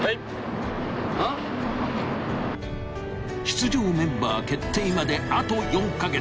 ［出場メンバー決定まであと４カ月］